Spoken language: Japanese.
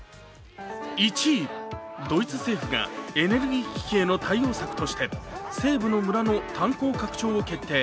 ドイツ政府がエネルギー危機の対応策として西部の村の炭鉱拡張を決定。